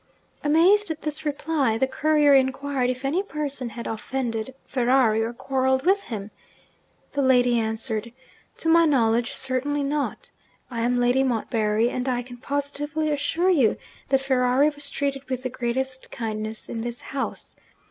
Amazed at this reply, the courier inquired if any person had offended Ferrari, or quarrelled with him. The lady answered, 'To my knowledge, certainly not. I am Lady Montbarry; and I can positively assure you that Ferrari was treated with the greatest kindness in this house.